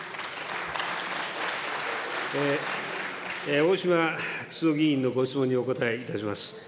大島九州男議員のご質問にお答えいたします。